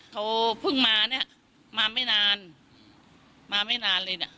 เค้าเพิ่งมามาไม่นาน